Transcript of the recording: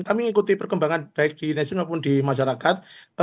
kami mengikuti perkembangan baik di nasional maupun di masyarakat